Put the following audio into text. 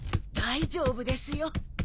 大丈夫ですよ。